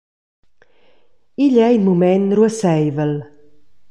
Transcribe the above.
Igl ei in mument ruasseivel.